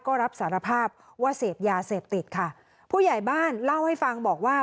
ก็รับสารภาพว่าเสพยาเสพติดค่ะผู้ใหญ่บ้านเล่าให้ฟังบอกว่า